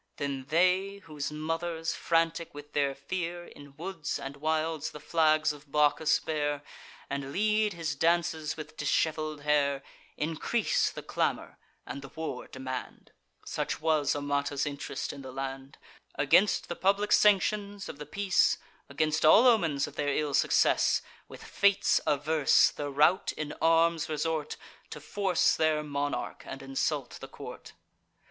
Then they, whose mothers, frantic with their fear, In woods and wilds the flags of Bacchus bear, And lead his dances with dishevel'd hair, Increase the clamour, and the war demand, (Such was Amata's int'rest in the land,) Against the public sanctions of the peace, Against all omens of their ill success. With fates averse, the rout in arms resort, To force their monarch, and insult the court.